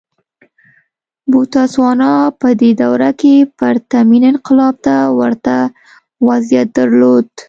بوتسوانا په دې دوره کې پرتمین انقلاب ته ورته وضعیت درلود.